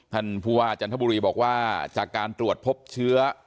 ท่านผู้ว่าจันทบุรีบอกว่าจากการตรวจพบเชื้อ